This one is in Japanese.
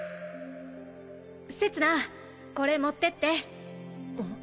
せつなこれ持ってってん？